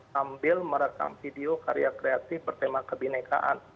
sambil merekam video karya kreatif bertema kebinekaan